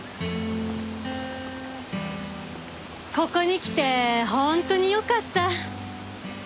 ここに来て本当によかった。